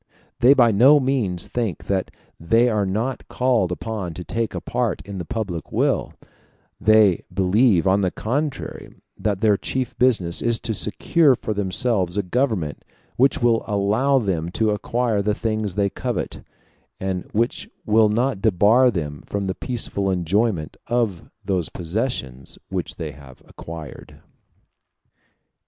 They by no means think that they are not called upon to take a part in the public weal; they believe, on the contrary, that their chief business is to secure for themselves a government which will allow them to acquire the things they covet, and which will not debar them from the peaceful enjoyment of those possessions which they have acquired.